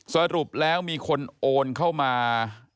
สรุปแล้วมีคนโอนเข้ามา